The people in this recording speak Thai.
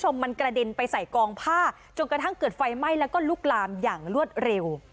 คุณผู้ชมมันกระเด็นไปใส่กองผ้าจนกระทั่งเกิดไฟไหม้แล้วก็ลุกลามอย่างรวดเร็ว